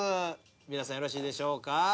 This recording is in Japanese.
皆さんよろしいでしょうか？